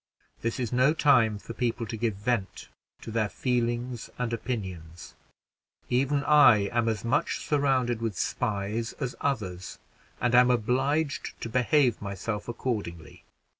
This is no time for people to give vent to their feelings and opinions. Even I am as much surrounded with spies as others, and am obliged to behave myself accordingly.